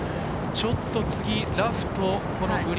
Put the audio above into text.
ちょっと次、ラフとグリ